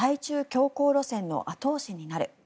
強硬路線の後押しになる。